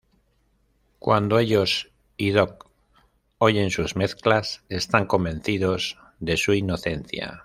Cuando ellos y Doc oyen sus mezclas, están convencidos de su inocencia.